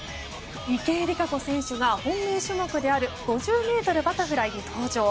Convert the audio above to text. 池江璃花子選手が本命種目である５０ｍバタフライで登場。